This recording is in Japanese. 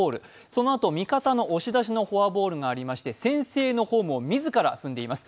そのあと味方の押し出しのフォアボールがありまして先制のホームを自ら踏んでいます。